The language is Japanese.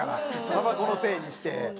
たばこのせいにして。